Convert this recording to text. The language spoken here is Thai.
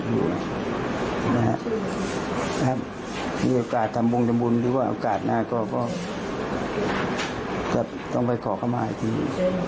ถ้ามีโอกาสทำวงจำบุญหรือว่าโอกาสหน้าก็ต้องไปขอขมาอีกที